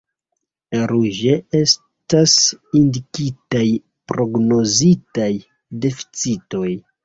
Ruĝe estas indikitaj prognozitaj deficitoj.